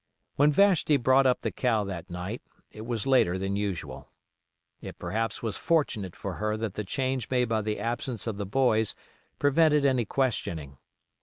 When Vashti brought up the cow that night it was later than usual. It perhaps was fortunate for her that the change made by the absence of the boys prevented any questioning.